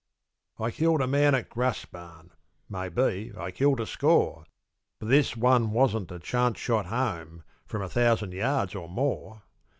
I killed a man at Graspan, Maybe I killed a score; But this one wasn't a chance shot home, From a thousand yards or more.